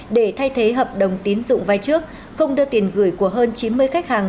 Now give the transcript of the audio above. để thay thế hợp đồng tín dụng vay trước không đưa tiền gửi của hơn chín mươi khách hàng